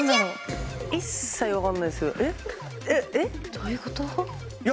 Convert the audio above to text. どういうこと？